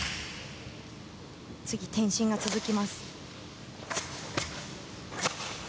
次転身が続きます。